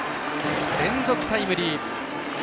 連続タイムリー。